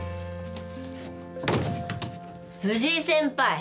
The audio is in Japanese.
藤井先輩！